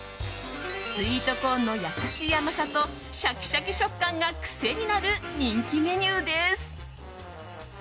スイートコーンの優しい甘さとシャキシャキ食感が癖になる人気メニューです。